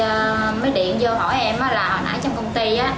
rồi cái cỡ khoảng hai giờ rồi cái chị mới điện vô hỏi em là hồi nãy trong công ty